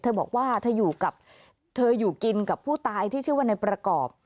เธอบอกว่าเธออยู่กินกับผู้ตายที่ชื่อว่านายประกอบ